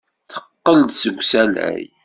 Teqqel-d seg usalay.